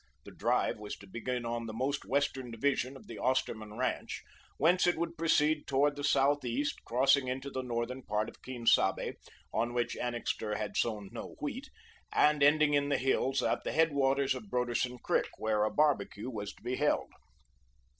The drive was to begin on the most western division of the Osterman ranch, whence it would proceed towards the southeast, crossing into the northern part of Quien Sabe on which Annixter had sown no wheat and ending in the hills at the headwaters of Broderson Creek, where a barbecue was to be held.